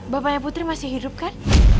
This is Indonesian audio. bapaknya putri masih hidup kan